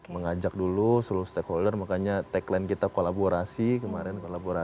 mengajak dulu seluruh stakeholder makanya tagline kita kolaborasi kemarin kolaborasi